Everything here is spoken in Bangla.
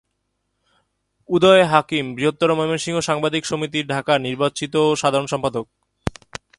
উদয় হাকিম বৃহত্তর ময়মনসিংহ সাংবাদিক সমিতি-ঢাকা’র নির্বাচিত সাধারণ সম্পাদক।